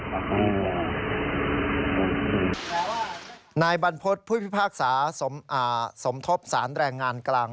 แปลว่านายบรรพฤษพุทธภาคสาสมอ่าสมทบสารแรงงานกลาง